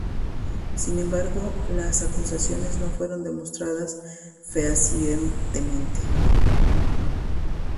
Sin embargo las acusaciones no fueron demostradas fehacientemente.